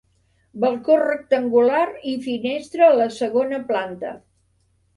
Balcó rectangular i finestra a la segona planta.